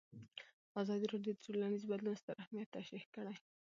ازادي راډیو د ټولنیز بدلون ستر اهميت تشریح کړی.